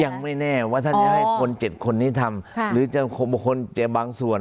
ยังไม่แน่ว่าท่านจะให้คน๗คนนี้ทำหรือจะคนจะบางส่วน